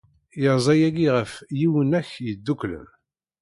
Yerza yagi ɣef Yiwunak Yeddukklen.